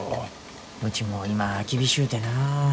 うちも今厳しゅうてな。